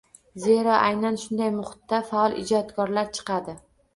Zero aynan shunday muhitda faol, ijodkorlar chiqadi.